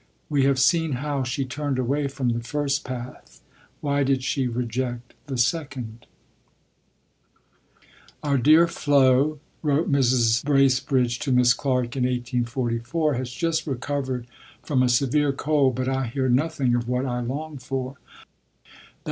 We have seen how she turned away from the first path. Why did she reject the second? "Our dear Flo," wrote Mrs. Bracebridge to Miss Clarke in 1844, "has just recovered from a severe cold, but I hear nothing of what I long for, _i.